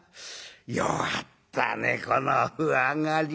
弱ったねこの歩上がりは。